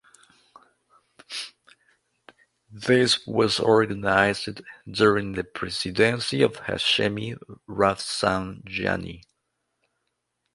This was organized during the presidency of Hashemi Rafsanjani.